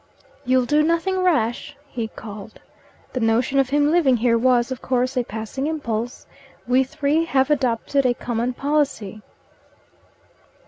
"You'll do nothing rash," he called. "The notion of him living here was, of course, a passing impulse. We three have adopted a common policy."